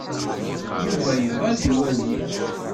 Yuba yebɣa ad iwali.